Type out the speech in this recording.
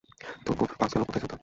তো বাক্স গেল কোথায়, সুলতান?